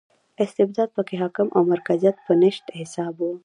استبداد په کې حاکم او مرکزیت په نشت حساب و.